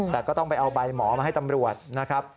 แต่ก็ต้องไปเอาใบหมอมาให้ตำรวจนะครับ